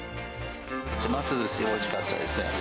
マスずしおいしかったですね。